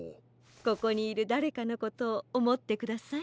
ここにいるだれかのことをおもってください。